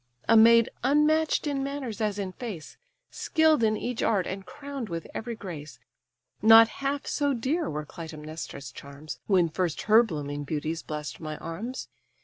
A maid, unmatch'd in manners as in face, Skill'd in each art, and crown'd with every grace; Not half so dear were Clytæmnestra's charms, When first her blooming beauties bless'd my arms.